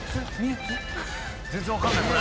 全然分かんないこれ。